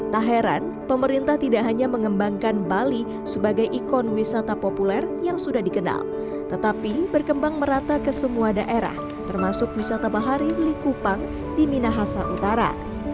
tak heran pemerintah tidak hanya mengembangkan bali sebagai ikon wisata populer yang sudah dikenal tetapi berkembang merata ke semua daerah termasuk wisata bahari likupang di minahasa utara